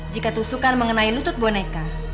jika tusukan mengenai lutut boneka